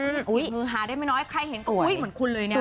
สิ่งมือหาได้ไม่น้อยใครเห็นเหมือนคุณเลยเนี่ย